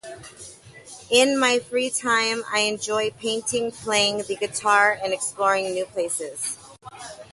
In my free time, I enjoy painting, playing the guitar, and exploring new places.